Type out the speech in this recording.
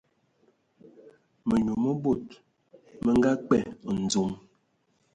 Mənyu mə bod mə nga kpe ndzom.